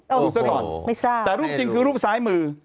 รู้ซะก่อนแต่รูปจริงคือรูปซ้ายมือ